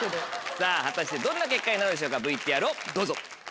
さぁ果たしてどんな結果になるでしょうかＶＴＲをどうぞ。